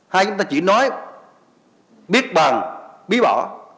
hay chúng ta chỉ nói biết bằng biết bỏ